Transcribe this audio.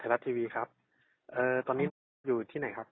รัฐทีวีครับเอ่อตอนนี้น้องอยู่ที่ไหนครับ